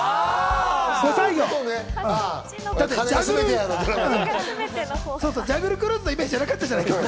『後妻業』の『ジャングル・クルーズ』のイメージじゃなかったじゃない。